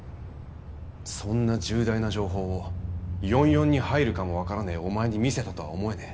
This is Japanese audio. そんな重大な情報を４４に入るかもわからねえお前に見せたとは思えねえ。